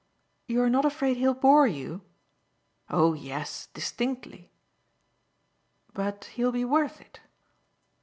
"You're not afraid he'll bore you?" "Oh yes distinctly." "But he'll be worth it?